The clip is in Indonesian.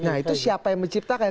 nah itu siapa yang menciptakan